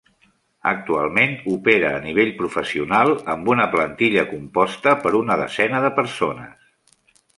Actualment opera a nivell professional amb una plantilla composta per una desena de persones.